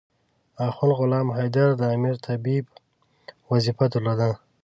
اخند غلام حیدر د امیر طبيب وظیفه درلوده.